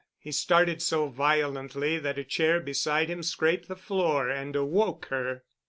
He started so violently that a chair beside him scraped the floor and awoke her.